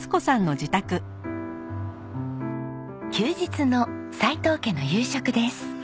休日の斎藤家の夕食です。